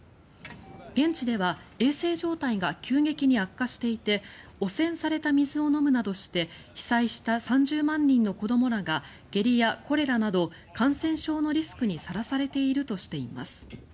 現地では衛生状態が急激に悪化していて汚染された水を飲むなどして被災した３０万人の子どもらが下痢やコレラなど感染症のリスクにさらされているとしています。